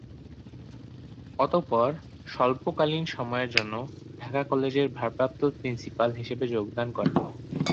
অতঃপর স্বল্পকালীন সময়ের জন্য ঢাকা কলেজের ভারপ্রাপ্ত প্রিন্সিপাল হিসেবে যোগদান করেন।